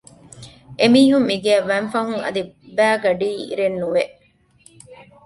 އެ މީހުން މިގެއަށް ވަންފަހުން އަދި ބައިގަޑީއިރެއް ނުވެ